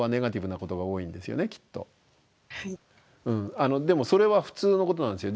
あのでもそれは普通のことなんですよ。